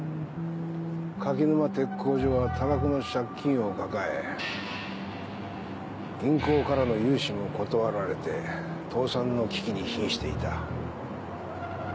垣沼鉄工所は多額の借金を抱え銀行からの融資も断られて倒産の危機に瀕していた。